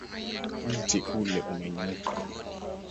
Mti ule umenyauka .